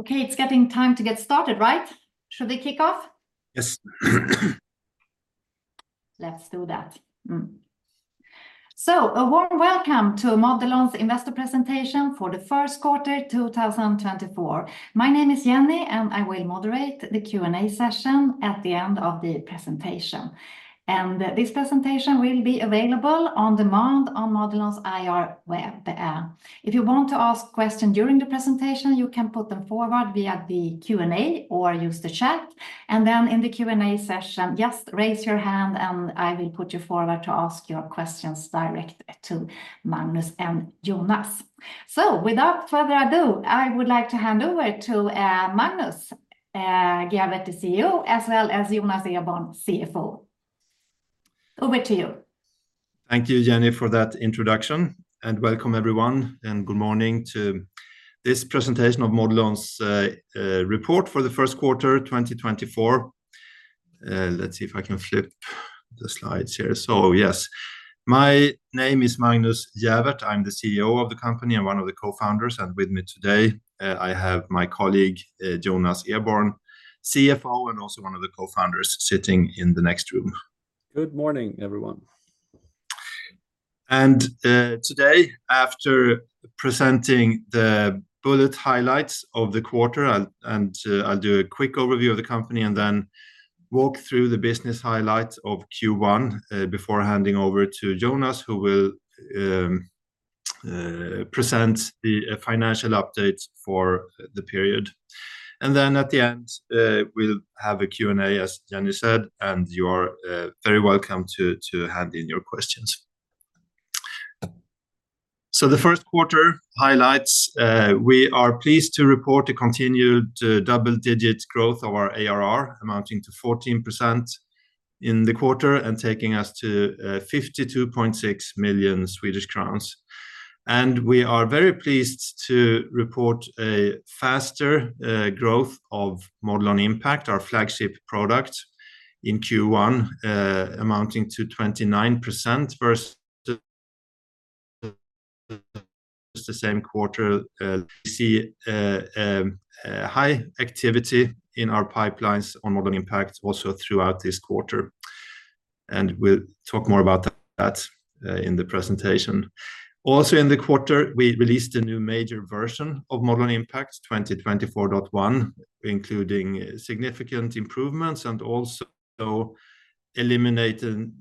Let's do that. A warm welcome to Modelon's investor presentation for the first quarter 2024. My name is Jenny, and I will moderate the Q&A session at the end of the presentation. This presentation will be available on demand on Modelon's IR web. If you want to ask questions during the presentation, you can put them forward via the Q&A or use the chat, and then in the Q&A session, just raise your hand and I will put you forward to ask your questions directly to Magnus and Jonas. Without further ado, I would like to hand over to Magnus Gäfvert, the CEO, as well as Jonas Eborn, CFO. Over to you. Thank you, Jenny, for that introduction, and welcome everyone, and good morning to this presentation of Modelon's report for the first quarter 2024. Let's see if I can flip the slides here. So yes, my name is Magnus Gäfvert. I'm the CEO of the company and one of the co-founders, and with me today, I have my colleague Jonas Eborn, CFO and also one of the co-founders sitting in the next room. Good morning, everyone. Today, after presenting the bullet highlights of the quarter, I'll do a quick overview of the company and then walk through the business highlights of Q1 before handing over to Jonas, who will present the financial updates for the period. Then at the end, we'll have a Q&A, as Jenny said, and you are very welcome to hand in your questions. The first quarter highlights: we are pleased to report the continued double-digit growth of our ARR amounting to 14% in the quarter and taking us to 52.6 million Swedish crowns. We are very pleased to report a faster growth of Modelon Impact, our flagship product, in Q1 amounting to 29% versus the same quarter. We see high activity in our pipelines on Modelon Impact also throughout this quarter, and we'll talk more about that in the presentation. Also in the quarter, we released a new major version of Modelon Impact, 2024.1, including significant improvements and also eliminating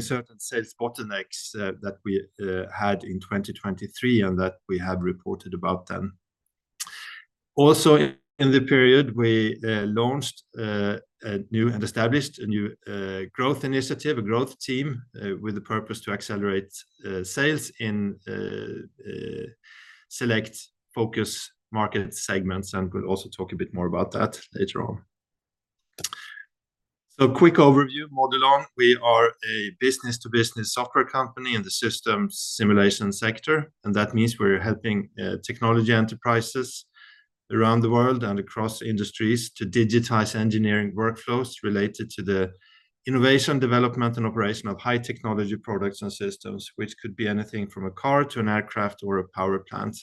certain sales bottlenecks that we had in 2023 and that we have reported about then. Also in the period, we launched and established a new growth initiative, a growth team, with the purpose to accelerate sales in select focus market segments, and we'll also talk a bit more about that later on. So quick overview: Modelon, we are a business-to-business software company in the system simulation sector, and that means we're helping technology enterprises around the world and across industries to digitize engineering workflows related to the innovation, development, and operation of high-technology products and systems, which could be anything from a car to an aircraft or a power plant.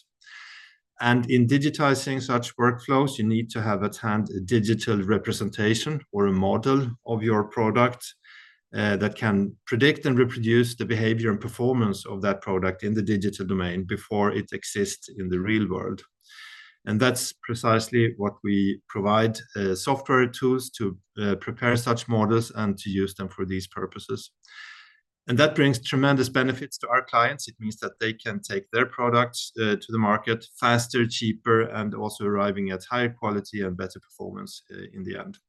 In digitizing such workflows, you need to have at hand a digital representation or a model of your product that can predict and reproduce the behavior and performance of that product in the digital domain before it exists in the real world. That's precisely what we provide software tools to prepare such models and to use them for these purposes. That brings tremendous benefits to our clients. It means that they can take their products to the market faster, cheaper, and also arriving at higher quality and better performance in the end.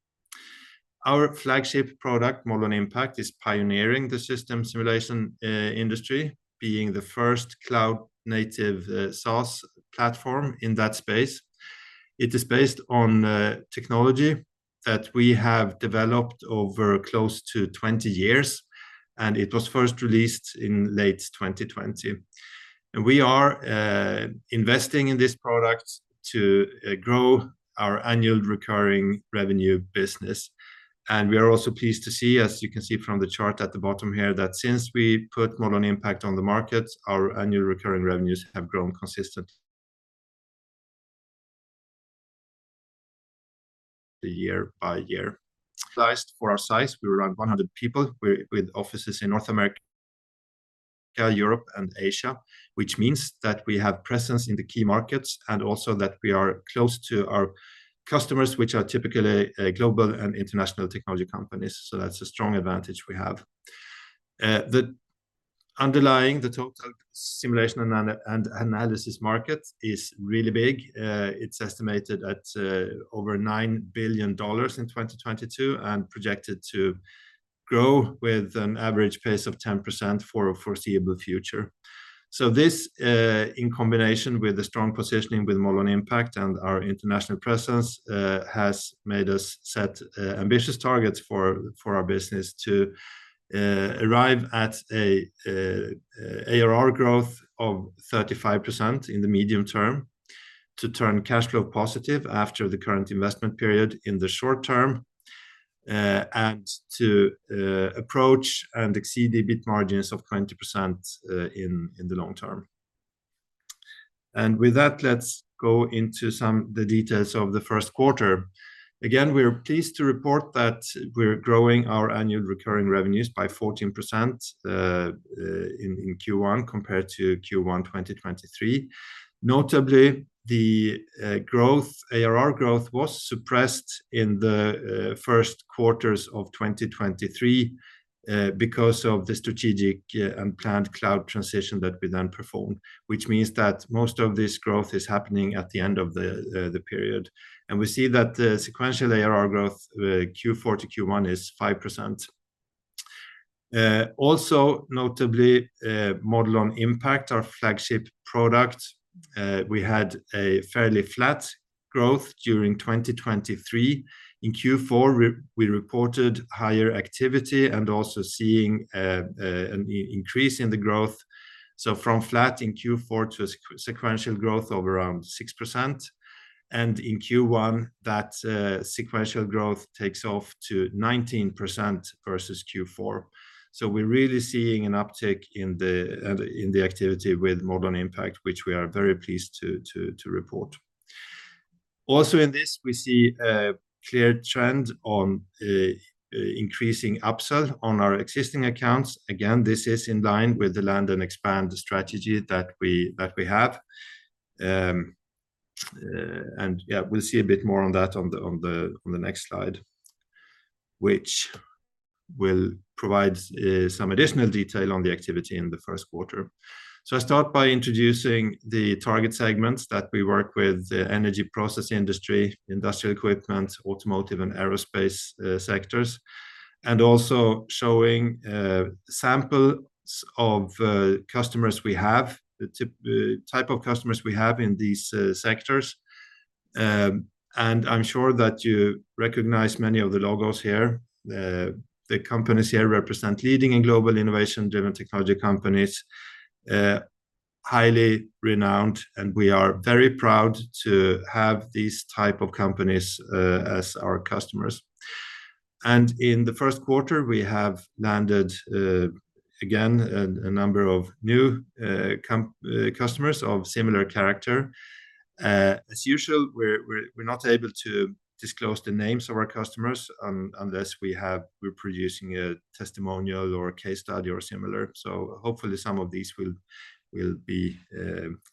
Our flagship product, Modelon Impact, is pioneering the system simulation industry, being the first cloud-native SaaS platform in that space. It is based on technology that we have developed over close to 20 years, and it was first released in late 2020. We are investing in this product to grow our annual recurring revenue business. We are also pleased to see, as you can see from the chart at the bottom here, that since we put Modelon Impact on the market, our annual recurring revenues have grown consistently year by year. For our size, we're around 100 people with offices in North America, Europe, and Asia, which means that we have presence in the key markets and also that we are close to our customers, which are typically global and international technology companies. That's a strong advantage we have. The underlying total simulation and analysis market is really big. It's estimated at over $9 billion in 2022 and projected to grow with an average pace of 10% for a foreseeable future. So this, in combination with the strong positioning with Modelon Impact and our international presence, has made us set ambitious targets for our business to arrive at an ARR growth of 35% in the medium term to turn cash flow positive after the current investment period in the short term and to approach and exceed the EBIT margins of 20% in the long term. And with that, let's go into some of the details of the first quarter. Again, we're pleased to report that we're growing our annual recurring revenues by 14% in Q1 compared to Q1 2023. Notably, the growth, ARR growth, was suppressed in the first quarters of 2023 because of the strategic and planned cloud transition that we then performed, which means that most of this growth is happening at the end of the period. We see that the sequential ARR growth Q4 to Q1 is 5%. Also, notably, Modelon Impact, our flagship product, we had a fairly flat growth during 2023. In Q4, we reported higher activity and also seeing an increase in the growth. So from flat in Q4 to sequential growth of around 6%. In Q1, that sequential growth takes off to 19% versus Q4. We're really seeing an uptick in the activity with Modelon Impact, which we are very pleased to report. Also in this, we see a clear trend on increasing upsell on our existing accounts. Again, this is in line with the land and expand strategy that we have. Yeah, we'll see a bit more on that on the next slide, which will provide some additional detail on the activity in the first quarter. I start by introducing the target segments that we work with: the energy process industry, industrial equipment, automotive, and aerospace sectors, and also showing samples of customers we have, the type of customers we have in these sectors. I'm sure that you recognize many of the logos here. The companies here represent leading and global innovation-driven technology companies, highly renowned, and we are very proud to have these types of companies as our customers. In the first quarter, we have landed again a number of new customers of similar character. As usual, we're not able to disclose the names of our customers unless we're producing a testimonial or case study or similar. Hopefully, some of these will be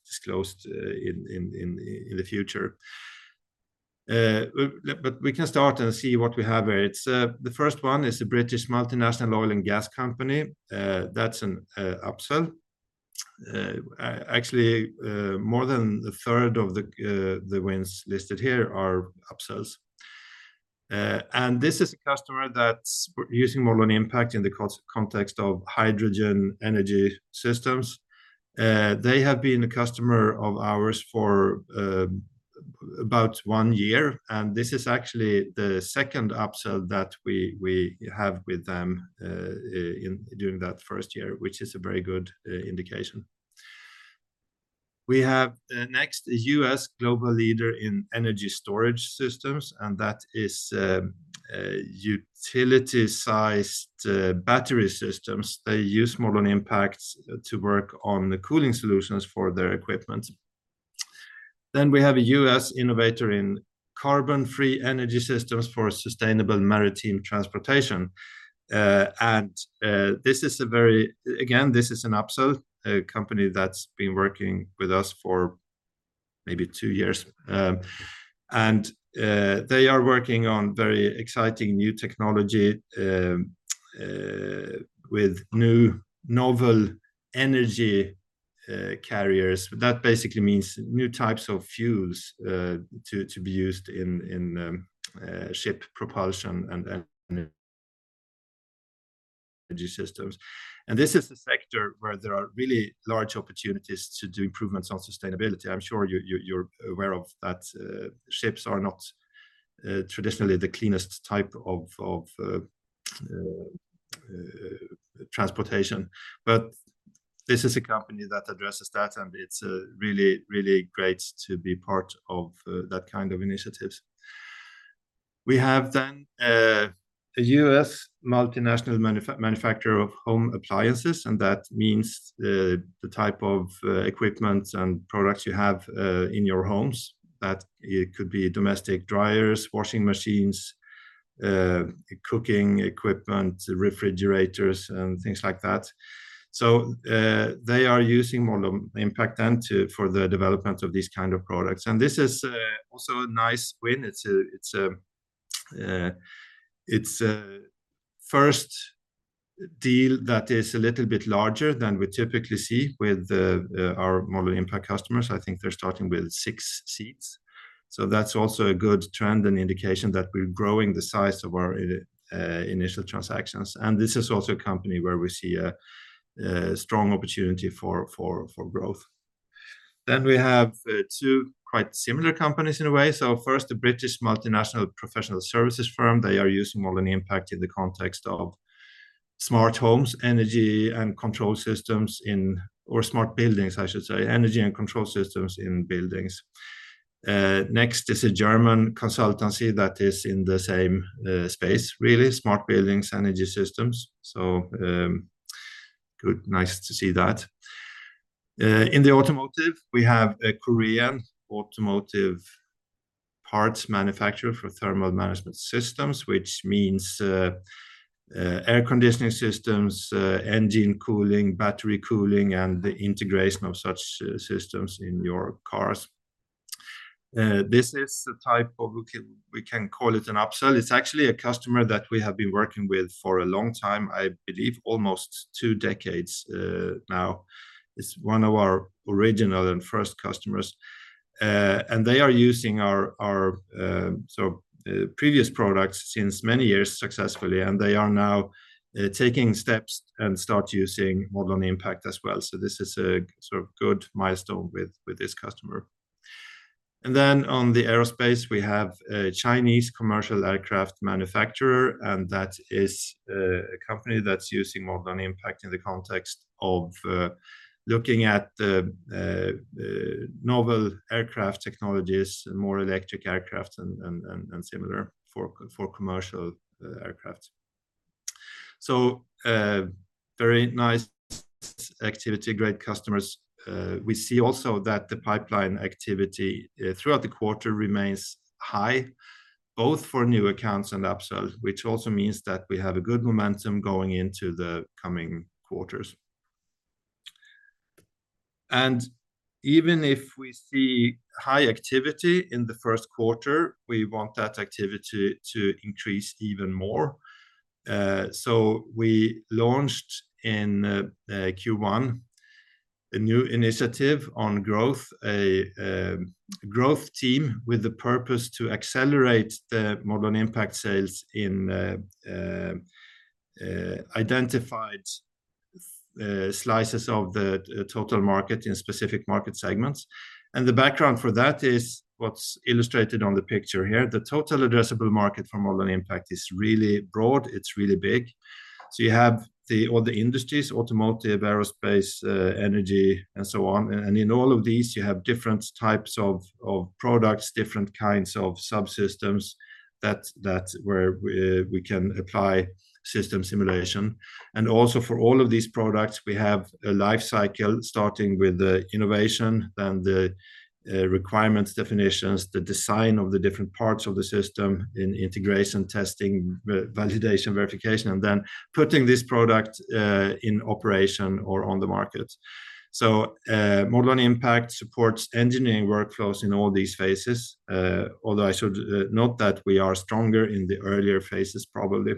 disclosed in the future. We can start and see what we have here. The first one is a British multinational oil and gas company. That's an upsell. Actually, more than a third of the wins listed here are upsells. And this is a customer that's using Modelon Impact in the context of hydrogen energy systems. They have been a customer of ours for about one year, and this is actually the second upsell that we have with them during that first year, which is a very good indication. We have next a U.S. global leader in energy storage systems, and that is utility-sized battery systems. They use Modelon Impact to work on the cooling solutions for their equipment. Then we have a U.S. innovator in carbon-free energy systems for sustainable maritime transportation. And this is a very again, this is an upsell, a company that's been working with us for maybe two years. And they are working on very exciting new technology with new novel energy carriers. That basically means new types of fuels to be used in ship propulsion and energy systems. This is a sector where there are really large opportunities to do improvements on sustainability. I'm sure you're aware of that ships are not traditionally the cleanest type of transportation. But this is a company that addresses that, and it's really, really great to be part of that kind of initiatives. We have then a U.S. multinational manufacturer of home appliances, and that means the type of equipment and products you have in your homes. That could be domestic dryers, washing machines, cooking equipment, refrigerators, and things like that. So they are using Modelon Impact then for the development of these kinds of products. This is also a nice win. It's a first deal that is a little bit larger than we typically see with our Modelon Impact customers. I think they're starting with 6 seats. So that's also a good trend and indication that we're growing the size of our initial transactions. And this is also a company where we see a strong opportunity for growth. Then we have two quite similar companies in a way. So first, a British multinational professional services firm. They are using Modelon Impact in the context of smart homes, energy, and control systems in or smart buildings, I should say, energy and control systems in buildings. Next is a German consultancy that is in the same space, really, smart buildings, energy systems. So nice to see that. In the automotive, we have a Korean automotive parts manufacturer for thermal management systems, which means air conditioning systems, engine cooling, battery cooling, and the integration of such systems in your cars. This is the type of we can call it an upsell. It's actually a customer that we have been working with for a long time, I believe, almost two decades now. It's one of our original and first customers. They are using our previous products since many years successfully, and they are now taking steps and start using Modelon Impact as well. This is a sort of good milestone with this customer. Then on the aerospace, we have a Chinese commercial aircraft manufacturer, and that is a company that's using Modelon Impact in the context of looking at novel aircraft technologies, more electric aircraft, and similar for commercial aircraft. Very nice activity, great customers. We see also that the pipeline activity throughout the quarter remains high, both for new accounts and upsells, which also means that we have a good momentum going into the coming quarters. Even if we see high activity in the first quarter, we want that activity to increase even more. So we launched in Q1 a new initiative on growth, a growth team with the purpose to accelerate the Modelon Impact sales in identified slices of the total market in specific market segments. The background for that is what's illustrated on the picture here. The total addressable market for Modelon Impact is really broad. It's really big. So you have all the industries: automotive, aerospace, energy, and so on. In all of these, you have different types of products, different kinds of subsystems where we can apply system simulation. Also for all of these products, we have a life cycle starting with the innovation, then the requirements definitions, the design of the different parts of the system in integration, testing, validation, verification, and then putting this product in operation or on the market. So Modelon Impact supports engineering workflows in all these phases, although I should note that we are stronger in the earlier phases, probably.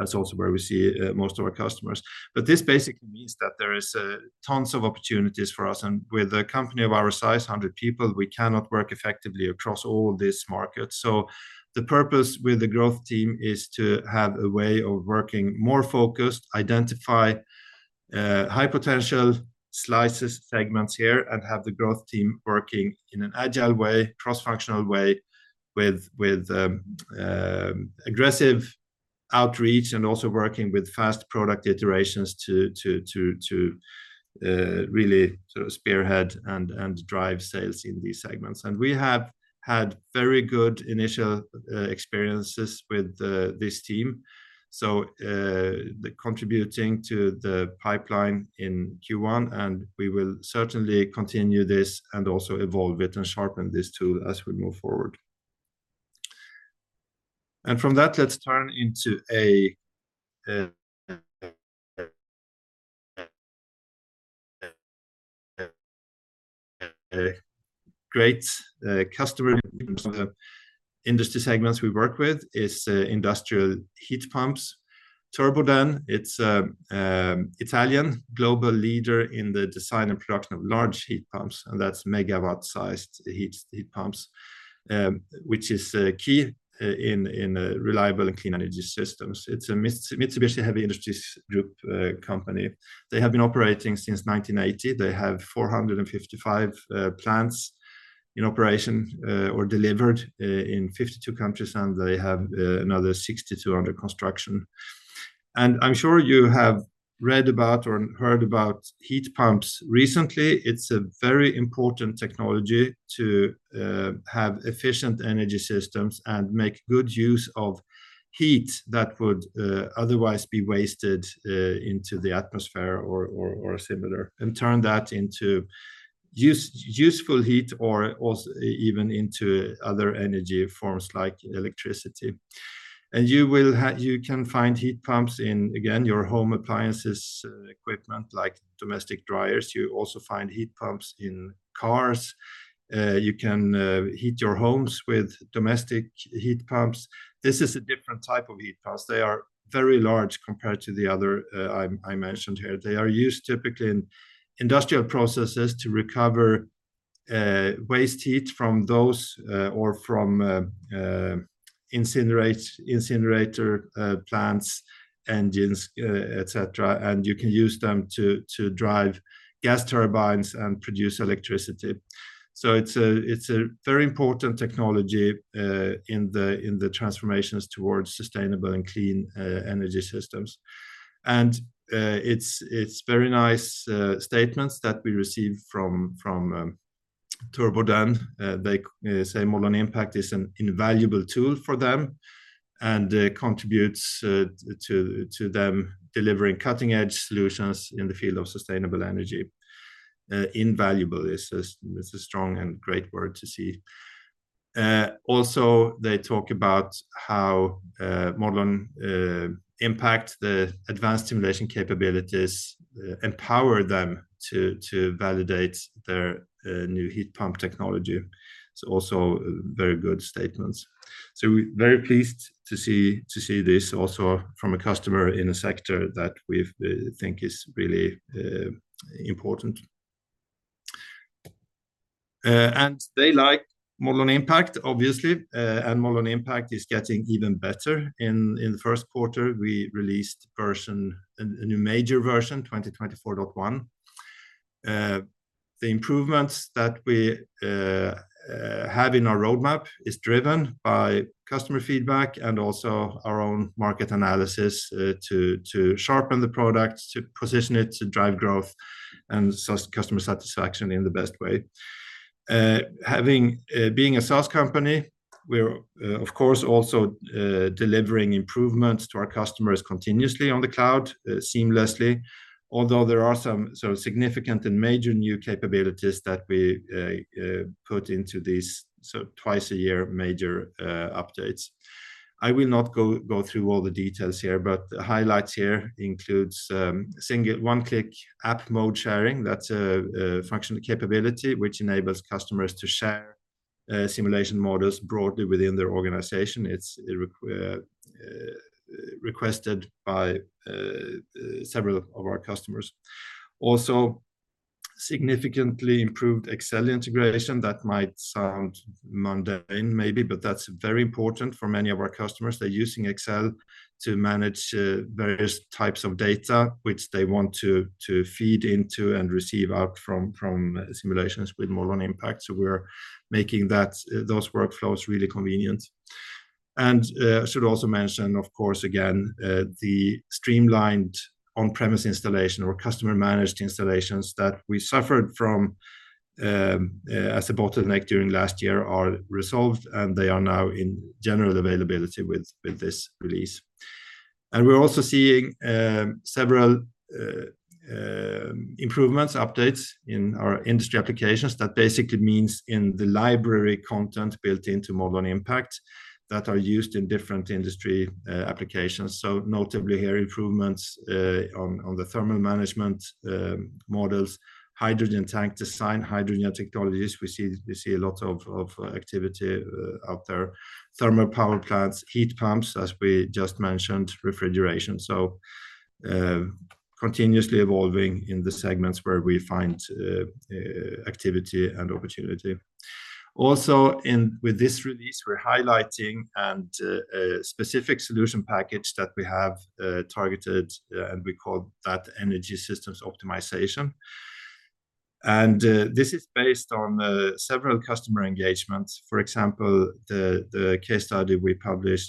That's also where we see most of our customers. But this basically means that there are tons of opportunities for us. And with a company of our size, 100 people, we cannot work effectively across all these markets. So the purpose with the growth team is to have a way of working more focused, identify high-potential slices, segments here, and have the growth team working in an agile way, cross-functional way with aggressive outreach and also working with fast product iterations to really sort of spearhead and drive sales in these segments. And we have had very good initial experiences with this team, so contributing to the pipeline in Q1. And we will certainly continue this and also evolve it and sharpen this tool as we move forward. And from that, let's turn into a great customer. One of the industry segments we work with is industrial heat pumps. Turboden, it's an Italian global leader in the design and production of large heat pumps, and that's megawatt-sized heat pumps, which is key in reliable and clean energy systems. It's a Mitsubishi Heavy Industries Group company. They have been operating since 1980. They have 455 plants in operation or delivered in 52 countries, and they have another 6,200 in construction. I'm sure you have read about or heard about heat pumps recently. It's a very important technology to have efficient energy systems and make good use of heat that would otherwise be wasted into the atmosphere or similar, and turn that into useful heat or even into other energy forms like electricity. You can find heat pumps in, again, your home appliances equipment like domestic dryers. You also find heat pumps in cars. You can heat your homes with domestic heat pumps. This is a different type of heat pumps. They are very large compared to the other I mentioned here. They are used typically in industrial processes to recover waste heat from those or from incinerator plants, engines, etc. You can use them to drive gas turbines and produce electricity. So it's a very important technology in the transformations towards sustainable and clean energy systems. It's very nice statements that we receive from Turboden. They say Modelon Impact is an invaluable tool for them and contributes to them delivering cutting-edge solutions in the field of sustainable energy. Invaluable is a strong and great word to see. Also, they talk about how Modelon Impact, the advanced simulation capabilities, empower them to validate their new heat pump technology. So also very good statements. Very pleased to see this also from a customer in a sector that we think is really important. They like Modelon Impact, obviously. Modelon Impact is getting even better. In the first quarter, we released a new major version, 2024.1. The improvements that we have in our roadmap are driven by customer feedback and also our own market analysis to sharpen the product, to position it, to drive growth, and customer satisfaction in the best way. Being a SaaS company, we're, of course, also delivering improvements to our customers continuously on the cloud, seamlessly, although there are some significant and major new capabilities that we put into these twice-a-year major updates. I will not go through all the details here, but the highlights here include one-click app mode sharing. That's a functional capability which enables customers to share simulation models broadly within their organization. It's requested by several of our customers. Also, significantly improved Excel integration. That might sound mundane, maybe, but that's very important for many of our customers. They're using Excel to manage various types of data, which they want to feed into and receive out from simulations with Modelon Impact. So we're making those workflows really convenient. And I should also mention, of course, again, the streamlined on-premise installation or customer-managed installations that we suffered from as a bottleneck during last year are resolved, and they are now in general availability with this release. And we're also seeing several improvements, updates in our industry applications. That basically means in the library content built into Modelon Impact that are used in different industry applications. So notably here, improvements on the thermal management models, hydrogen tank design, hydrogen technologies. We see a lot of activity out there. Thermal power plants, heat pumps, as we just mentioned, refrigeration. So continuously evolving in the segments where we find activity and opportunity. Also, with this release, we're highlighting a specific solution package that we have targeted, and we call that Energy Systems Optimization. And this is based on several customer engagements. For example, the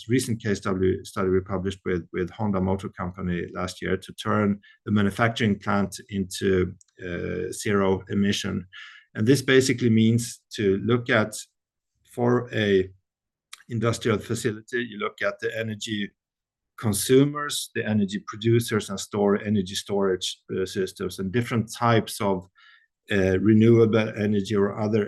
recent case study we published with Honda Motor Company last year to turn the manufacturing plant into zero emission. And this basically means to look at, for an industrial facility, you look at the energy consumers, the energy producers, and energy storage systems, and different types of renewable energy or other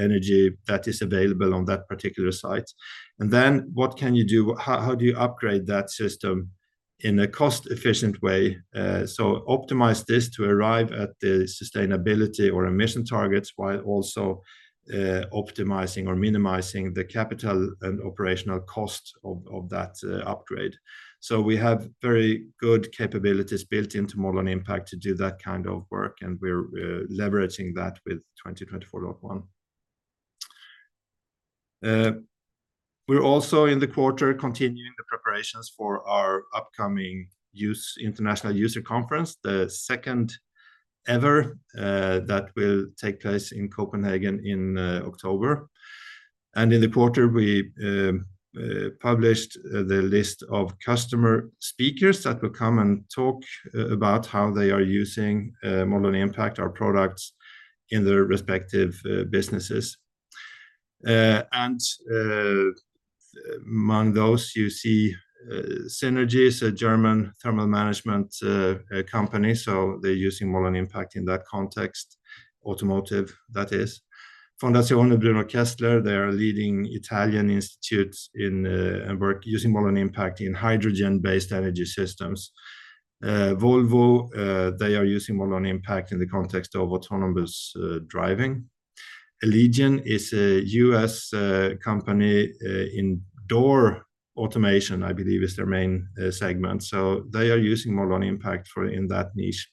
energy that is available on that particular site. And then what can you do? How do you upgrade that system in a cost-efficient way? So optimize this to arrive at the sustainability or emission targets while also optimizing or minimizing the capital and operational cost of that upgrade. So we have very good capabilities built into Modelon Impact to do that kind of work, and we're leveraging that with 2024.1. We're also in the quarter continuing the preparations for our upcoming international user conference, the second ever that will take place in Copenhagen in October. In the quarter, we published the list of customer speakers that will come and talk about how they are using Modelon Impact, our products, in their respective businesses. Among those, you see Synergy, a German thermal management company. So they're using Modelon Impact in that context, automotive, that is. Fondazione Bruno Kessler, they are leading Italian institutes and work using Modelon Impact in hydrogen-based energy systems. Volvo, they are using Modelon Impact in the context of autonomous driving. Allegion is a U.S. company in door automation, I believe, is their main segment. So they are using Modelon Impact in that niche.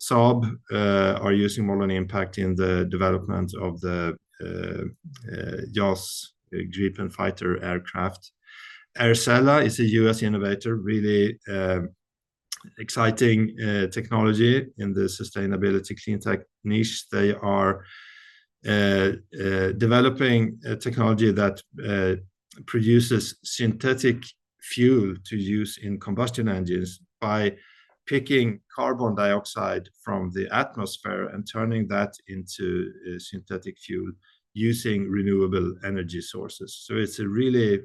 Saab are using Modelon Impact in the development of the JAS Gripen fighter aircraft. Aircela is a U.S. innovator, really exciting technology in the sustainability cleantech niche. They are developing technology that produces synthetic fuel to use in combustion engines by picking carbon dioxide from the atmosphere and turning that into synthetic fuel using renewable energy sources. So it's a really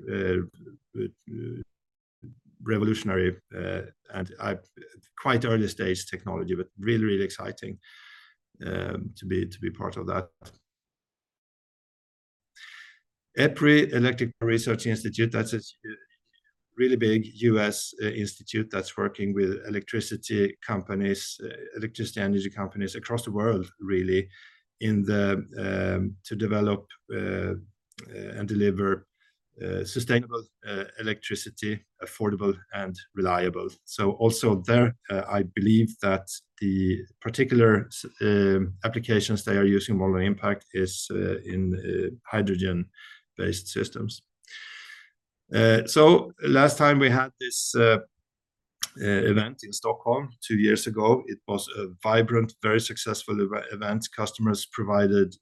revolutionary and quite early-stage technology, but really, really exciting to be part of that. EPRI, Electric Power Research Institute, that's a really big US institute that's working with electricity companies, electricity energy companies across the world, really, to develop and deliver sustainable electricity, affordable, and reliable. So also there, I believe that the particular applications they are using Modelon Impact are in hydrogen-based systems. So last time we had this event in Stockholm two years ago, it was a vibrant, very successful event. Customers provided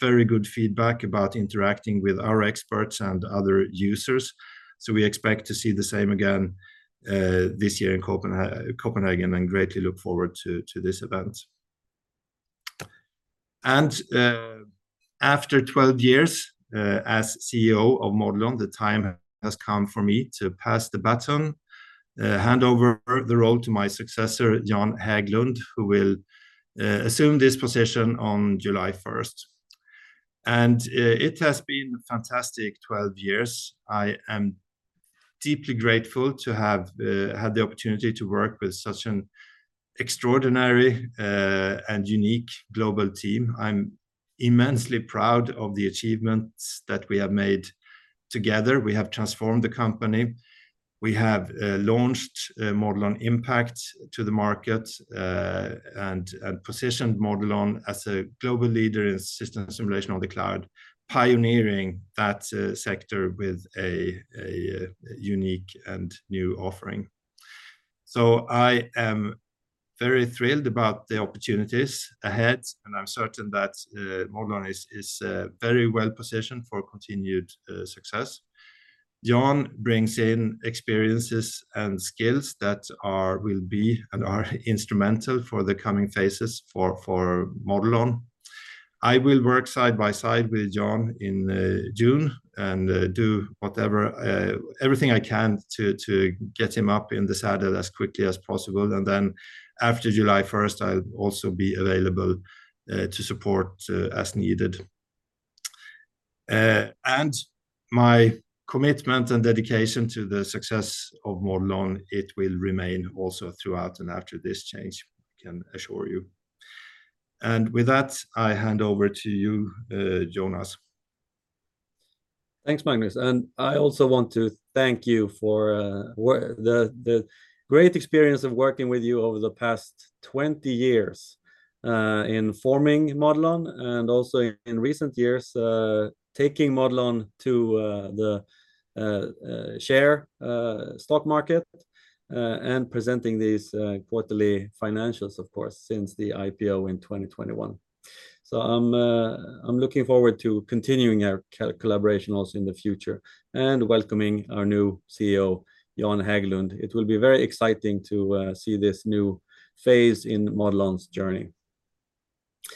very good feedback about interacting with our experts and other users. So we expect to see the same again this year in Copenhagen and greatly look forward to this event. After 12 years as CEO of Modelon, the time has come for me to pass the baton, hand over the role to my successor, Jan Häglund, who will assume this position on July 1st. It has been a fantastic 12 years. I am deeply grateful to have had the opportunity to work with such an extraordinary and unique global team. I'm immensely proud of the achievements that we have made together. We have transformed the company. We have launched Modelon Impact to the market and positioned Modelon as a global leader in system simulation on the cloud, pioneering that sector with a unique and new offering. So I am very thrilled about the opportunities ahead, and I'm certain that Modelon is very well positioned for continued success. Jan brings in experiences and skills that will be and are instrumental for the coming phases for Modelon. I will work side by side with Jan in June and do everything I can to get him up in the saddle as quickly as possible. And then after July 1st, I'll also be available to support as needed. And my commitment and dedication to the success of Modelon, it will remain also throughout and after this change, I can assure you. And with that, I hand over to you, Jonas. Thanks, Magnus. I also want to thank you for the great experience of working with you over the past 20 years in forming Modelon and also in recent years, taking Modelon to the share stock market and presenting these quarterly financials, of course, since the IPO in 2021. I'm looking forward to continuing our collaboration also in the future and welcoming our new CEO, Jan Häglund. It will be very exciting to see this new phase in Modelon's journey.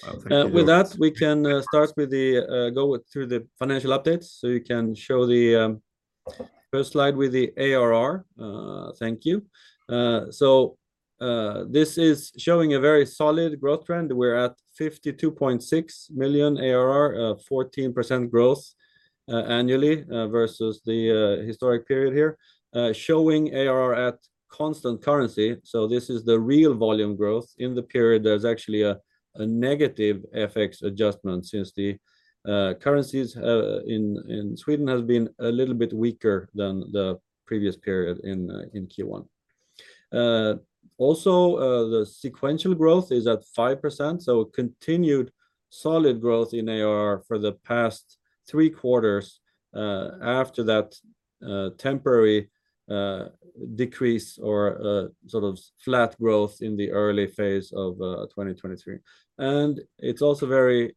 Well, thank you. With that, we can start with the go through the financial updates. So you can show the first slide with the ARR. Thank you. So this is showing a very solid growth trend. We're at 52.6 million ARR, 14% growth annually versus the historic period here, showing ARR at constant currency. So this is the real volume growth. In the period, there's actually a negative FX adjustment since the currencies in Sweden have been a little bit weaker than the previous period in Q1. Also, the sequential growth is at 5%. So continued solid growth in ARR for the past three quarters after that temporary decrease or sort of flat growth in the early phase of 2023. And it's also very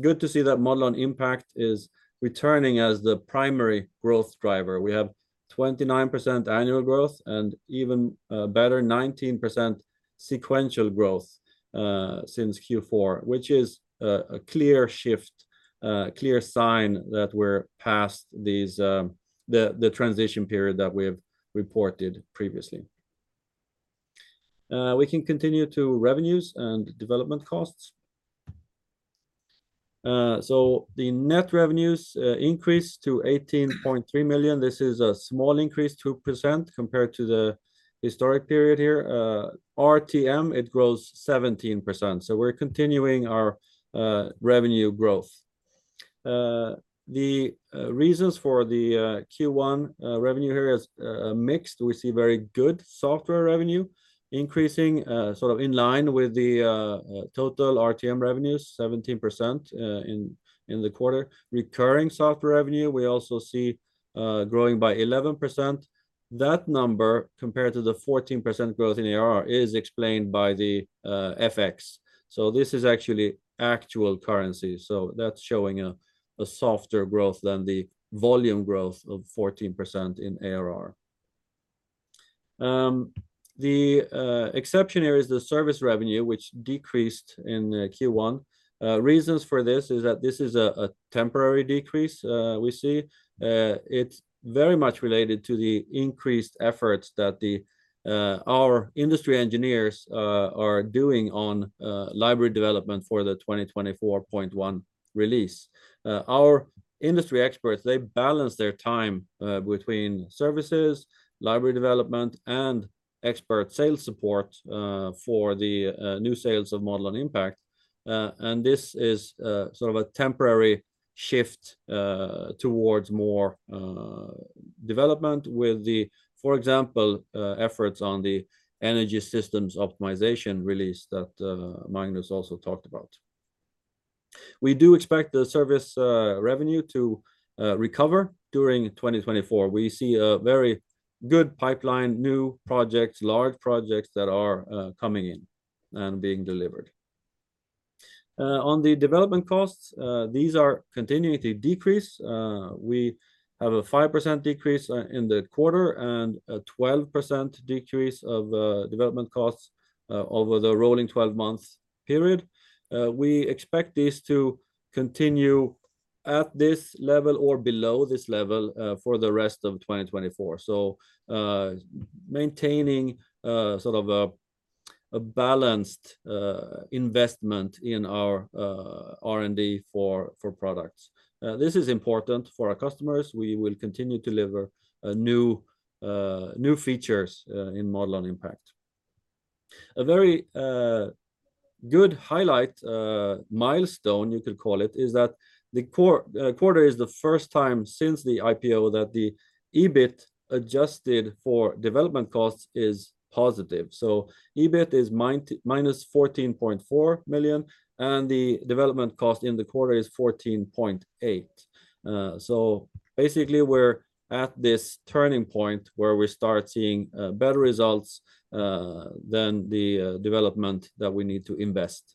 good to see that Modelon Impact is returning as the primary growth driver. We have 29% annual growth and even better, 19% sequential growth since Q4, which is a clear shift, a clear sign that we're past the transition period that we have reported previously. We can continue to revenues and development costs. So the net revenues increased to 18.3 million. This is a small increase, 2%, compared to the historic period here. LTM, it grows 17%. So we're continuing our revenue growth. The reasons for the Q1 revenue here are mixed. We see very good software revenue increasing sort of in line with the total LTM revenues, 17% in the quarter. Recurring software revenue, we also see growing by 11%. That number, compared to the 14% growth in ARR, is explained by the FX. So this is actually actual currency. So that's showing a softer growth than the volume growth of 14% in ARR. The exception here is the service revenue, which decreased in Q1. Reasons for this is that this is a temporary decrease we see. It's very much related to the increased efforts that our industry engineers are doing on library development for the 2024.1 release. Our industry experts, they balance their time between services, library development, and expert sales support for the new sales of Modelon Impact. This is sort of a temporary shift towards more development with the, for example, efforts on the Energy Systems Optimization release that Magnus also talked about. We do expect the service revenue to recover during 2024. We see a very good pipeline, new projects, large projects that are coming in and being delivered. On the development costs, these are continuing to decrease. We have a 5% decrease in the quarter and a 12% decrease of development costs over the rolling 12-month period. We expect these to continue at this level or below this level for the rest of 2024, so maintaining sort of a balanced investment in our R&D for products. This is important for our customers. We will continue to deliver new features in Modelon Impact. A very good highlight milestone, you could call it, is that the quarter is the first time since the IPO that the EBIT adjusted for development costs is positive. So EBIT is -14.4 million, and the development cost in the quarter is 14.8 million. So basically, we're at this turning point where we start seeing better results than the development that we need to invest.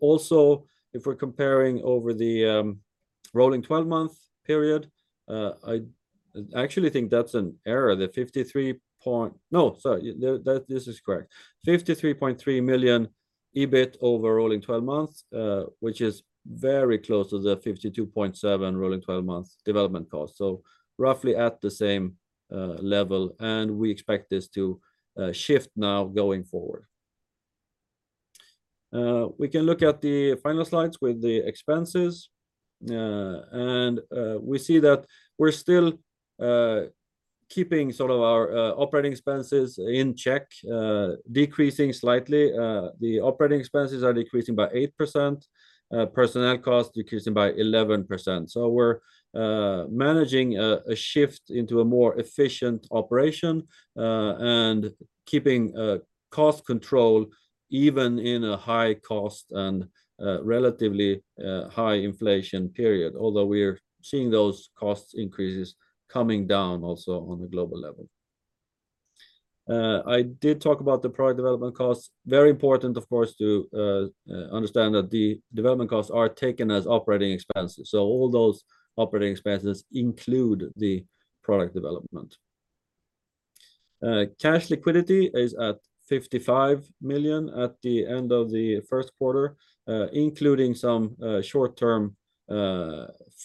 Also, if we're comparing over the rolling 12-month period, I actually think that's an error, the 53 point no, sorry, this is correct. 53.3 million EBIT over rolling 12 months, which is very close to the 52.7 million rolling 12-month development costs, so roughly at the same level. We expect this to shift now going forward. We can look at the final slides with the expenses. We see that we're still keeping sort of our operating expenses in check, decreasing slightly. The operating expenses are decreasing by 8%, personnel costs decreasing by 11%. So we're managing a shift into a more efficient operation and keeping cost control even in a high-cost and relatively high inflation period, although we're seeing those cost increases coming down also on a global level. I did talk about the product development costs. Very important, of course, to understand that the development costs are taken as operating expenses. So all those operating expenses include the product development. Cash liquidity is at 55 million at the end of the first quarter, including some short-term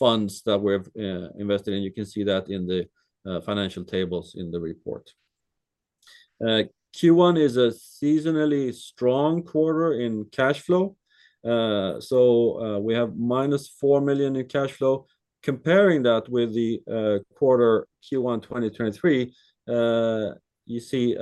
funds that we've invested in. You can see that in the financial tables in the report. Q1 is a seasonally strong quarter in cash flow. So we have minus 4 million in cash flow. Comparing that with the quarter Q1 2023, you see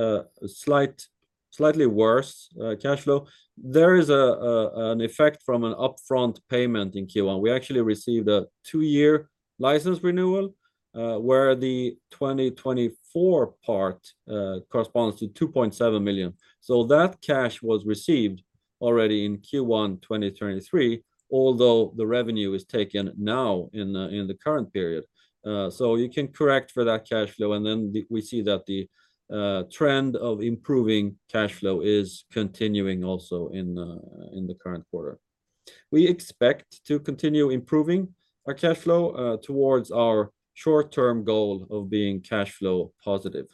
slightly worse cash flow. There is an effect from an upfront payment in Q1. We actually received a two-year license renewal where the 2024 part corresponds to 2.7 million. So that cash was received already in Q1 2023, although the revenue is taken now in the current period. So you can correct for that cash flow. And then we see that the trend of improving cash flow is continuing also in the current quarter. We expect to continue improving our cash flow towards our short-term goal of being cash flow positive.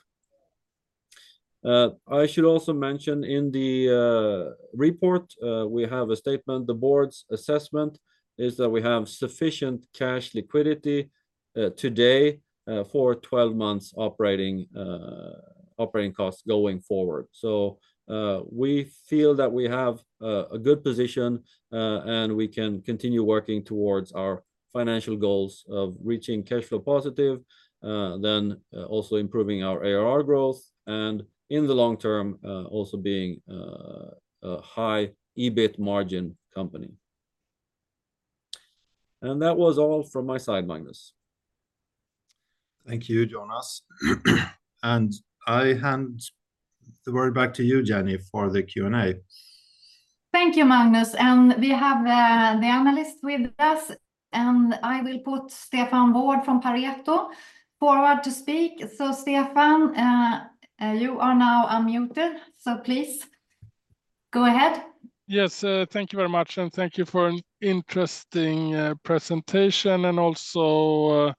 I should also mention in the report, we have a statement. The board's assessment is that we have sufficient cash liquidity today for 12 months operating costs going forward. So we feel that we have a good position, and we can continue working towards our financial goals of reaching cash flow positive, then also improving our ARR growth, and in the long term, also being a high EBIT margin company. That was all from my side, Magnus. Thank you, Jonas. I hand the word back to you, Jenny, for the Q&A. Thank you, Magnus. We have the analyst with us. I will put Stefan Wård from Pareto forward to speak. Stefan, you are now unmuted. Please go ahead. Yes, thank you very much. Thank you for an interesting presentation. Also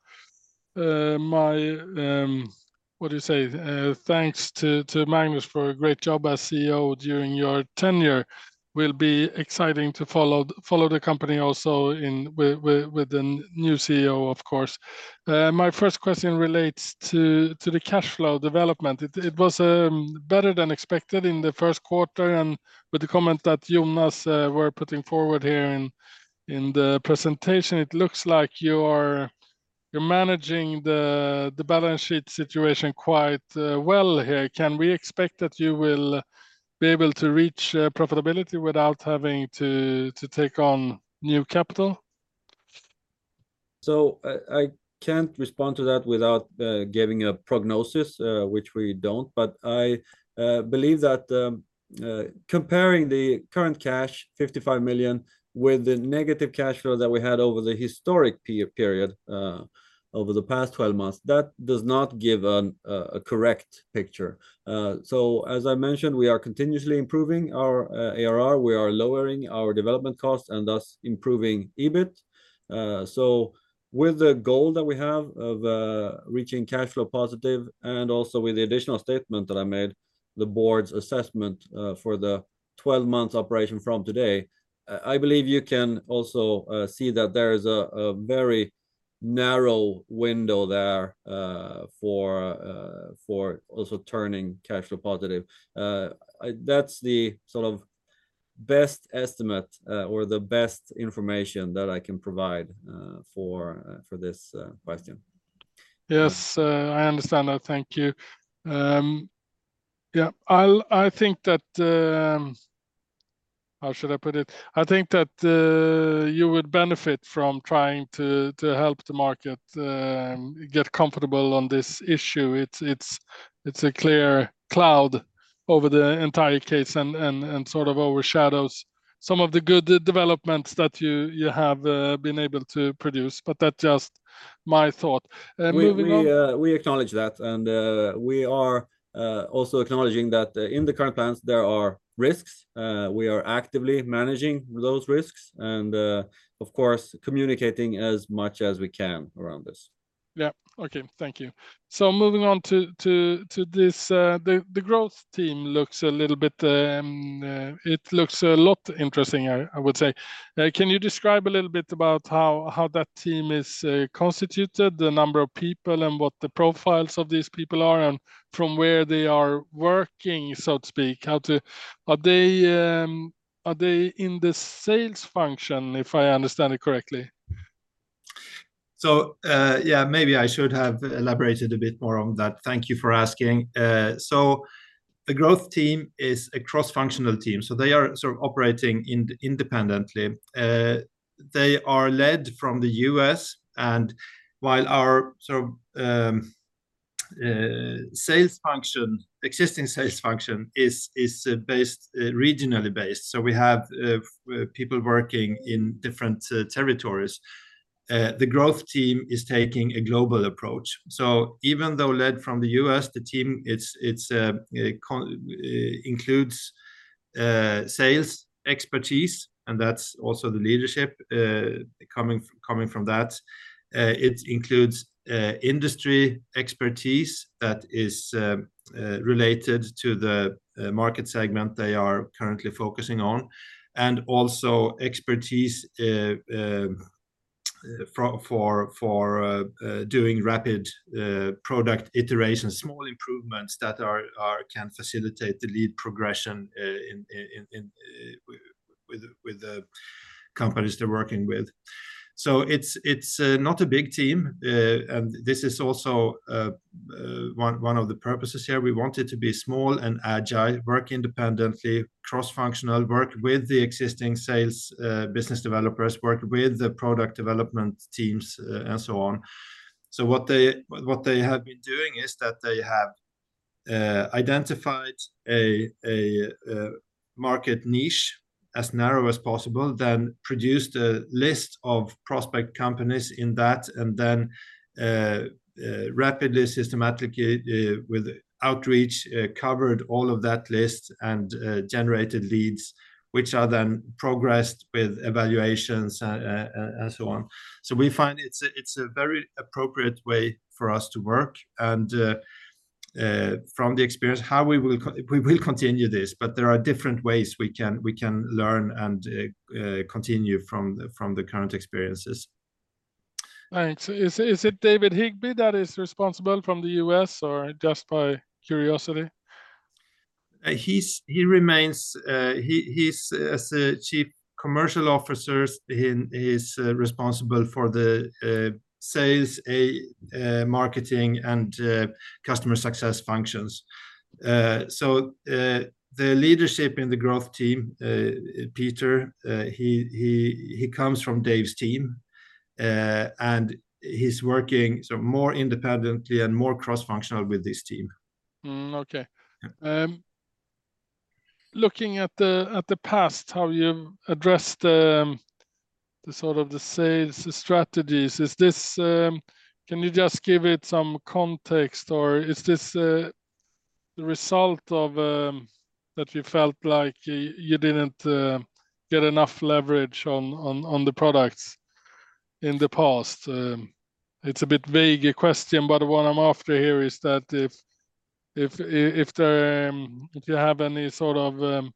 my, what do you say, thanks to Magnus for a great job as CEO during your tenure. It will be exciting to follow the company also with the new CEO, of course. My first question relates to the cash flow development. It was better than expected in the first quarter. With the comment that Jonas was putting forward here in the presentation, it looks like you are managing the balance sheet situation quite well here. Can we expect that you will be able to reach profitability without having to take on new capital? So I can't respond to that without giving a prognosis, which we don't. But I believe that comparing the current cash, 55 million, with the negative cash flow that we had over the historic period, over the past 12 months, that does not give a correct picture. So as I mentioned, we are continuously improving our ARR. We are lowering our development costs and thus improving EBIT. So with the goal that we have of reaching cash flow positive and also with the additional statement that I made, the board's assessment for the 12-month operation from today, I believe you can also see that there is a very narrow window there for also turning cash flow positive. That's the sort of best estimate or the best information that I can provide for this question. Yes, I understand that. Thank you. Yeah, I think that how should I put it? I think that you would benefit from trying to help the market get comfortable on this issue. It's a clear cloud over the entire case and sort of overshadows some of the good developments that you have been able to produce. But that's just my thought. We acknowledge that. We are also acknowledging that in the current plans, there are risks. We are actively managing those risks and, of course, communicating as much as we can around this. Yeah, OK, thank you. So moving on to this, the growth team looks a lot interesting, I would say. Can you describe a little bit about how that team is constituted, the number of people, and what the profiles of these people are and from where they are working, so to speak? Are they in the sales function, if I understand it correctly? So yeah, maybe I should have elaborated a bit more on that. Thank you for asking. So the growth team is a cross-functional team. So they are sort of operating independently. They are led from the U.S. And while our sort of existing sales function is regionally based, so we have people working in different territories, the growth team is taking a global approach. So even though led from the U.S., the team includes sales expertise, and that's also the leadership coming from that. It includes industry expertise that is related to the market segment they are currently focusing on and also expertise for doing rapid product iterations, small improvements that can facilitate the lead progression with the companies they're working with. So it's not a big team. And this is also one of the purposes here. We want it to be small and agile, work independently, cross-functional, work with the existing sales business developers, work with the product development teams, and so on. So what they have been doing is that they have identified a market niche as narrow as possible, then produced a list of prospect companies in that, and then rapidly, systematically, with outreach, covered all of that list and generated leads, which are then progressed with evaluations and so on. So we find it's a very appropriate way for us to work. And from the experience, we will continue this. But there are different ways we can learn and continue from the current experiences. Right. Is it David Higby that is responsible from the U.S. or just by curiosity? He remains as Chief Commercial Officer. He's responsible for the sales, marketing, and customer success functions. The leadership in the growth team, Peter, he comes from Dave's team. He's working more independently and more cross-functional with this team. OK. Looking at the past, how you've addressed sort of the sales strategies, can you just give it some context? Or is this the result that you felt like you didn't get enough leverage on the products in the past? It's a bit vague a question. But what I'm after here is that if you have any sort of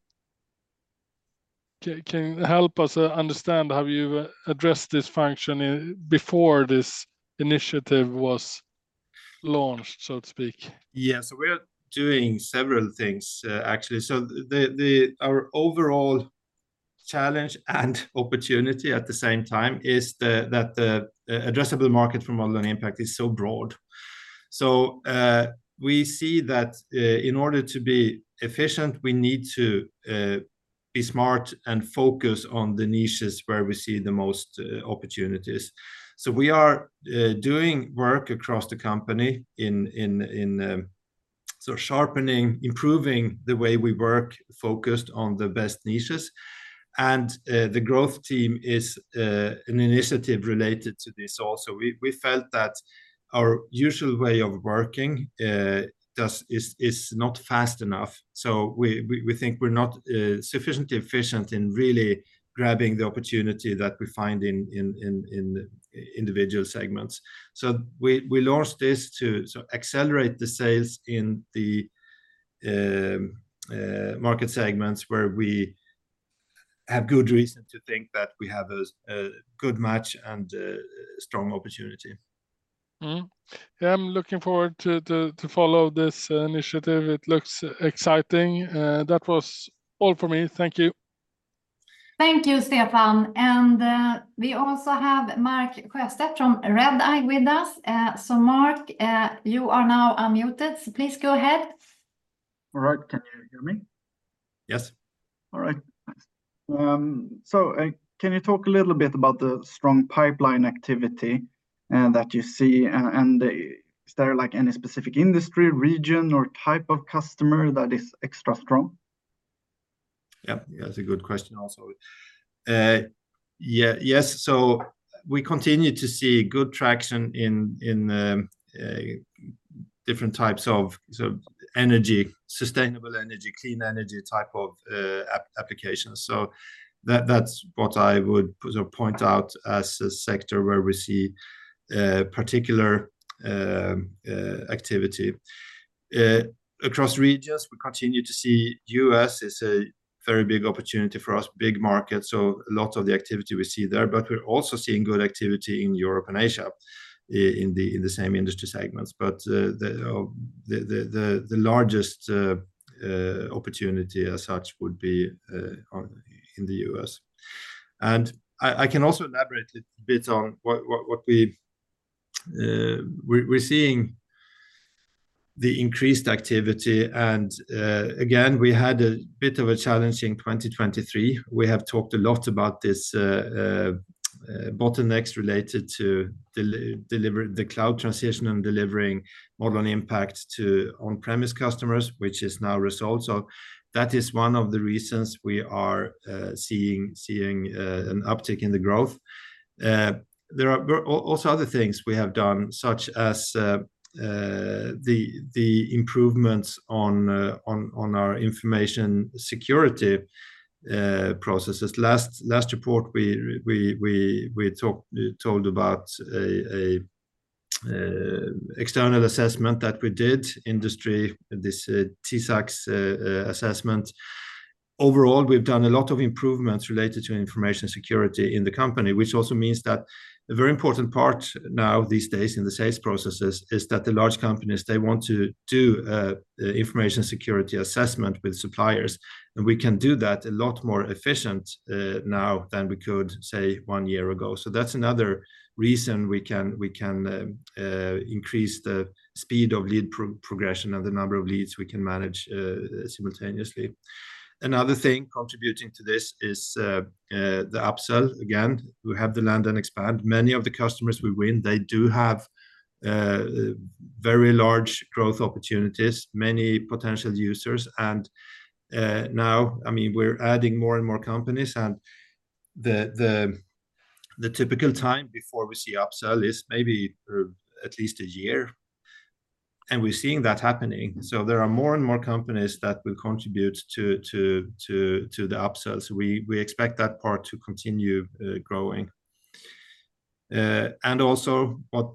can you help us understand how you've addressed this function before this initiative was launched, so to speak? Yes, we are doing several things, actually. Our overall challenge and opportunity at the same time is that the addressable market for Modelon Impact is so broad. We see that in order to be efficient, we need to be smart and focus on the niches where we see the most opportunities. We are doing work across the company in sort of sharpening, improving the way we work focused on the best niches. The growth team is an initiative related to this also. We felt that our usual way of working is not fast enough. We think we're not sufficiently efficient in really grabbing the opportunity that we find in individual segments. We launched this to accelerate the sales in the market segments where we have good reason to think that we have a good match and strong opportunity. Yeah, I'm looking forward to follow this initiative. It looks exciting. That was all for me. Thank you. Thank you, Stefan. And we also have Mark Sjöstedt from Redeye with us. So Mark, you are now unmuted. So please go ahead. All right. Can you hear me? Yes. All right. So can you talk a little bit about the strong pipeline activity that you see? And is there any specific industry, region, or type of customer that is extra strong? Yeah, that's a good question also. Yes, so we continue to see good traction in different types of energy, sustainable energy, clean energy type of applications. So that's what I would point out as a sector where we see particular activity. Across regions, we continue to see U.S. is a very big opportunity for us, big market. So a lot of the activity we see there. But we're also seeing good activity in Europe and Asia in the same industry segments. But the largest opportunity as such would be in the U.S. And I can also elaborate a bit on what we're seeing, the increased activity. And again, we had a bit of a challenging 2023. We have talked a lot about this bottleneck related to the cloud transition and delivering Modelon Impact on-premise customers, which is now a result. So that is one of the reasons we are seeing an uptick in the growth. There are also other things we have done, such as the improvements on our information security processes. Last report, we told about an external assessment that we did, industry, this TISAX assessment. Overall, we've done a lot of improvements related to information security in the company, which also means that a very important part now these days in the sales processes is that the large companies, they want to do information security assessment with suppliers. And we can do that a lot more efficiently now than we could, say, one year ago. So that's another reason we can increase the speed of lead progression and the number of leads we can manage simultaneously. Another thing contributing to this is the upsell. Again, we have the land and expand. Many of the customers we win, they do have very large growth opportunities, many potential users. And now, I mean, we're adding more and more companies. And the typical time before we see upsell is maybe at least a year. And we're seeing that happening. So there are more and more companies that will contribute to the upsell. So we expect that part to continue growing. And also what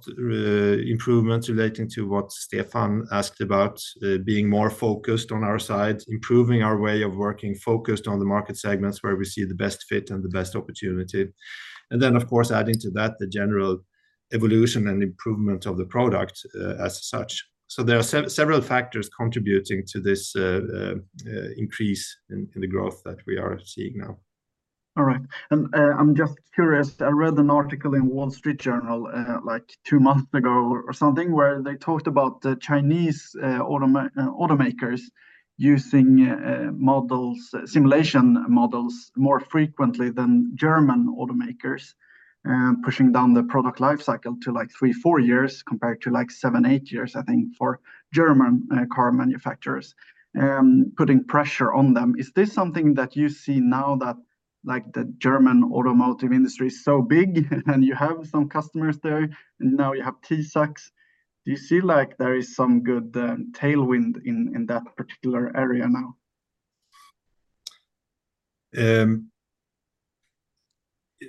improvements relating to what Stefan asked about, being more focused on our side, improving our way of working focused on the market segments where we see the best fit and the best opportunity. And then, of course, adding to that, the general evolution and improvement of the product as such. So there are several factors contributing to this increase in the growth that we are seeing now. All right. And I'm just curious. I read an article in Wall Street Journal like two months ago or something where they talked about Chinese automakers using simulation models more frequently than German automakers, pushing down the product lifecycle to like 3-4 years compared to like 7-8 years, I think, for German car manufacturers, putting pressure on them. Is this something that you see now that the German automotive industry is so big, and you have some customers there, and now you have TISAX? Do you see like there is some good tailwind in that particular area now?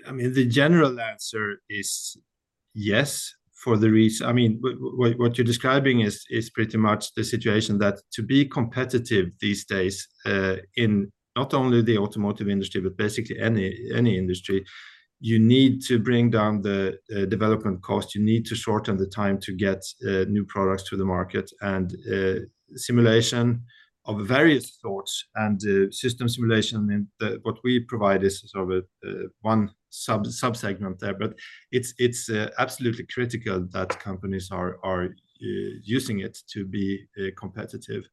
I mean, the general answer is yes for the reason I mean, what you're describing is pretty much the situation that to be competitive these days in not only the automotive industry, but basically any industry, you need to bring down the development cost. You need to shorten the time to get new products to the market. And simulation of various sorts and system simulation, what we provide is sort of one subsegment there. But it's absolutely critical that companies are using it to be competitive.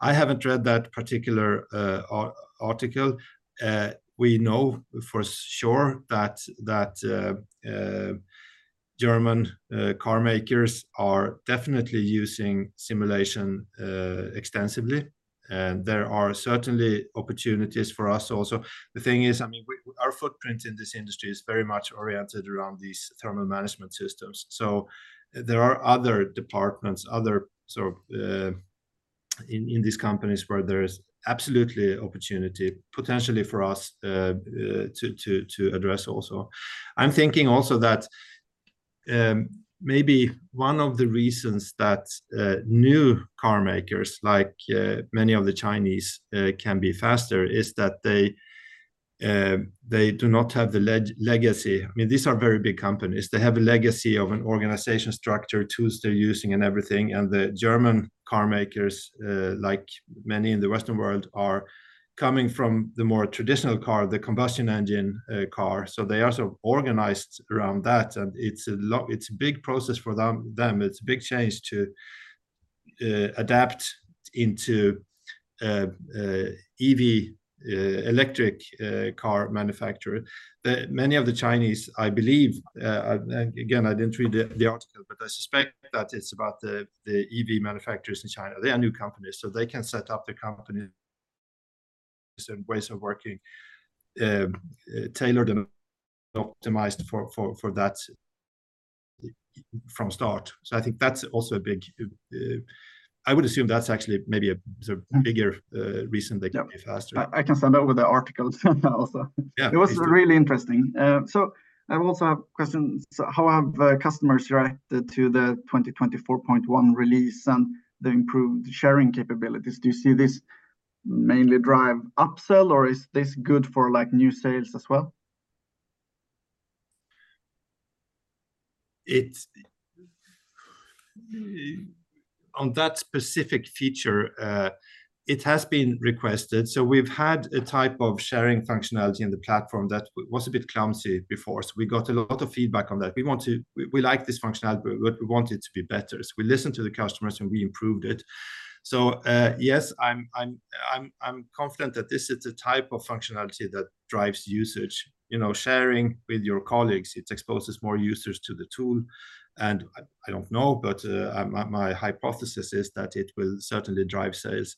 I haven't read that particular article. We know for sure that German carmakers are definitely using simulation extensively. And there are certainly opportunities for us also. The thing is, I mean, our footprint in this industry is very much oriented around these thermal management systems. So there are other departments, other sort of in these companies where there is absolutely opportunity, potentially for us, to address also. I'm thinking also that maybe one of the reasons that new carmakers, like many of the Chinese, can be faster, is that they do not have the legacy. I mean, these are very big companies. They have a legacy of an organization structure, tools they're using, and everything. And the German carmakers, like many in the Western world, are coming from the more traditional car, the combustion engine car. So they are sort of organized around that. And it's a big process for them. It's a big change to adapt into an EV electric car manufacturer. Many of the Chinese, I believe again, I didn't read the article. But I suspect that it's about the EV manufacturers in China. They are new companies. So they can set up their companies and ways of working tailored and optimized for that from start. So I think that's also. I would assume that's actually maybe a bigger reason they can be faster. I can send over the article also. It was really interesting. I also have questions. How have customers reacted to the 2024.1 release and the improved sharing capabilities? Do you see this mainly drive upsell? Or is this good for new sales as well? On that specific feature, it has been requested. So we've had a type of sharing functionality in the platform that was a bit clumsy before. So we got a lot of feedback on that. We like this functionality, but we want it to be better. So we listened to the customers, and we improved it. So yes, I'm confident that this is a type of functionality that drives usage, sharing with your colleagues. It exposes more users to the tool. And I don't know. But my hypothesis is that it will certainly drive sales.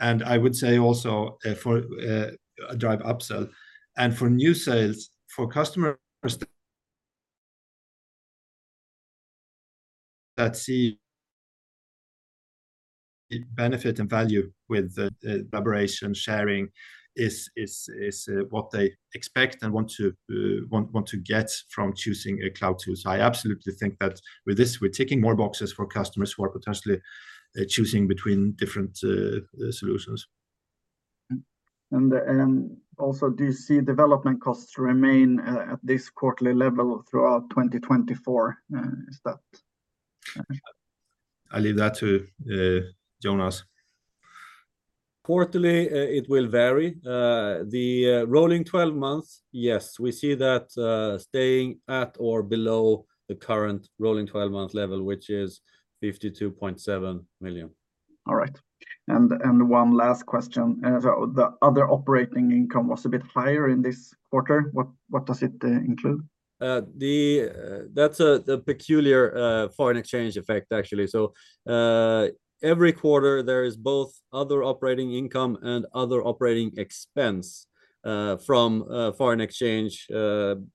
And I would say also drive upsell. And for new sales, for customers that see benefit and value with collaboration, sharing is what they expect and want to get from choosing a cloud tool. So I absolutely think that with this, we're ticking more boxes for customers who are potentially choosing between different solutions. Also, do you see development costs remain at this quarterly level throughout 2024? Is that? I leave that to Jonas. Quarterly, it will vary. The rolling 12 months, yes, we see that staying at or below the current rolling 12-month level, which is 52.7 million. All right. And one last question. So the other operating income was a bit higher in this quarter. What does it include? That's a peculiar foreign exchange effect, actually. So every quarter, there is both other operating income and other operating expense from foreign exchange,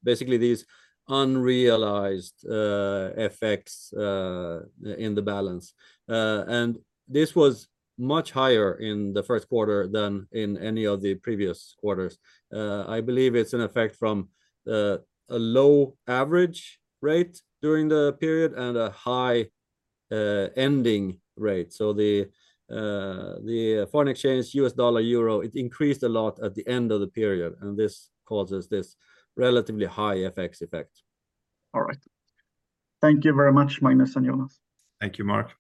basically these unrealized effects in the balance. And this was much higher in the first quarter than in any of the previous quarters. I believe it's an effect from a low average rate during the period and a high ending rate. So the foreign exchange, U.S. dollar, Euro, it increased a lot at the end of the period. And this causes this relatively high effect. All right. Thank you very much, Magnus and Jonas. Thank you, Mark.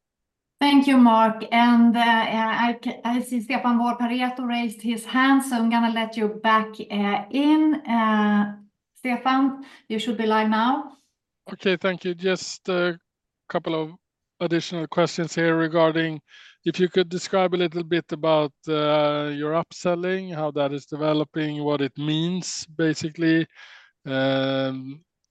Thank you, Mark. And I see Stefan Wård who raised his hand. So I'm going to let you back in. Stefan, you should be live now. OK, thank you. Just a couple of additional questions here regarding if you could describe a little bit about your upselling, how that is developing, what it means, basically.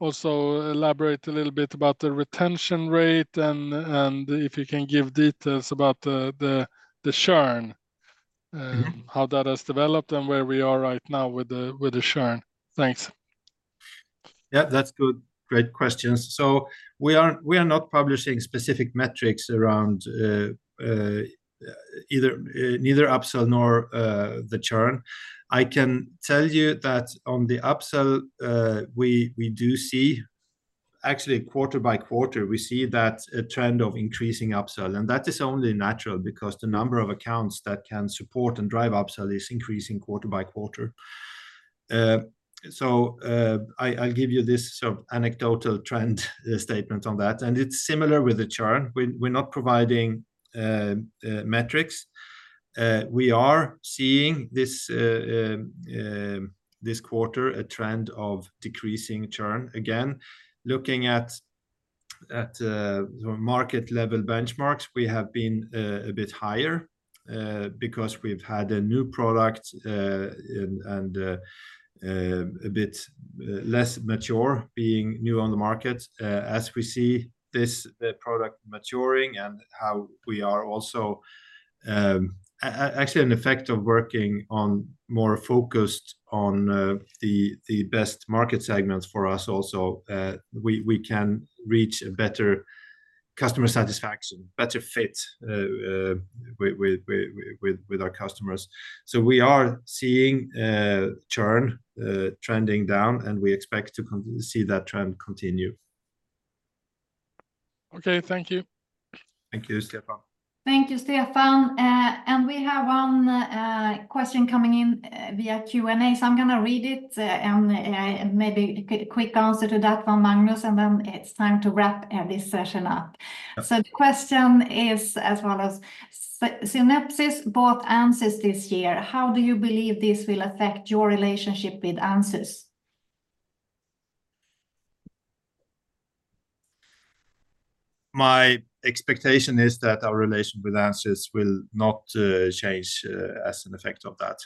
Also elaborate a little bit about the retention rate and if you can give details about the churn, how that has developed and where we are right now with the churn. Thanks. Yeah, that's good. Great questions. So we are not publishing specific metrics around neither upsell nor the churn. I can tell you that on the upsell, we do see actually, quarter by quarter, we see that trend of increasing upsell. And that is only natural because the number of accounts that can support and drive upsell is increasing quarter by quarter. So I'll give you this sort of anecdotal trend statement on that. And it's similar with the churn. We're not providing metrics. We are seeing this quarter a trend of decreasing churn. Again, looking at market-level benchmarks, we have been a bit higher because we've had a new product and a bit less mature being new on the market. As we see this product maturing and how we are also actually an effect of working more focused on the best market segments for us also, we can reach a better customer satisfaction, better fit with our customers. So we are seeing churn trending down. And we expect to see that trend continue. OK, thank you. Thank you, Stefan. Thank you, Stefan. And we have one question coming in via Q&A. So I'm going to read it and maybe a quick answer to that from Magnus. And then it's time to wrap this session up. So the question is as well as Synopsys bought Ansys this year. How do you believe this will affect your relationship with Ansys? My expectation is that our relation with Ansys will not change as an effect of that.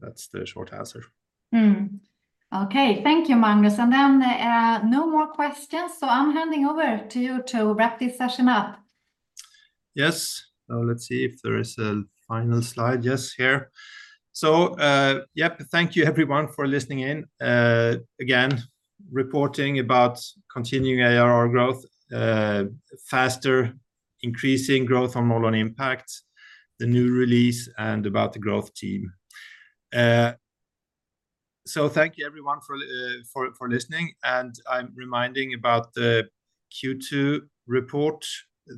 That's the short answer. OK, thank you, Magnus. Then no more questions. I'm handing over to you to wrap this session up. Yes. So let's see if there is a final slide. Yes, here. So yeah, thank you, everyone, for listening in. Again, reporting about continuing ARR growth, faster, increasing growth on Modelon Impact, the new release, and about the growth team. So thank you, everyone, for listening. And I'm reminding about the Q2 report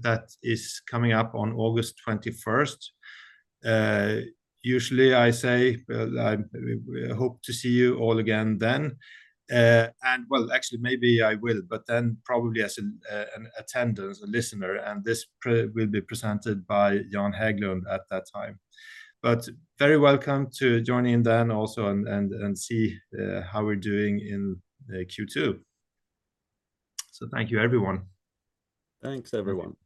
that is coming up on August 21. Usually, I say, well, I hope to see you all again then. And well, actually, maybe I will. But then probably as an attendee, a listener. And this will be presented by Jan Häglund at that time. But very welcome to join in then also and see how we're doing in Q2. So thank you, everyone. Thanks, everyone.